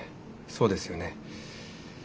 そうですよね。